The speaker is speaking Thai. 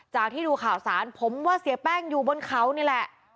ที่ดูข่าวสารผมว่าเสียแป้งอยู่บนเขานี่แหละ